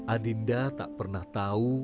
adinda tak pernah tahu